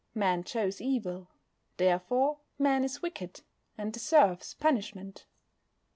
Man chose evil, therefore Man is wicked, and deserves punishment.